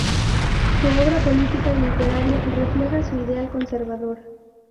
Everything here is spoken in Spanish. Su obra política y literaria refleja su ideal conservador.